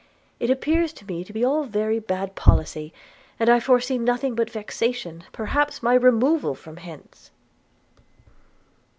It appears to me to be all very bad policy; and I foresee nothing but vexation, perhaps my removal from hence.'